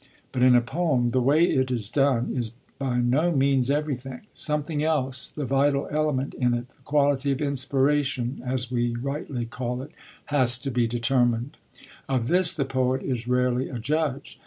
But, in a poem, the way it is done is by no means everything; something else, the vital element in it, the quality of inspiration, as we rightly call it, has to be determined. Of this the poet is rarely a judge.